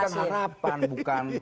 bukan harapan bukan